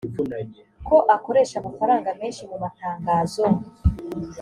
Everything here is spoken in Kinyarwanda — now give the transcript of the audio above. ko akoresha amafaranga menshi mu matangazo